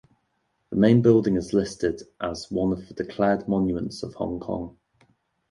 The main building is listed as one of the declared monuments of Hong Kong.